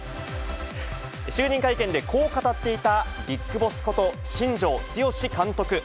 就任会見でこう語っていた、ビッグボスこと新庄剛志監督。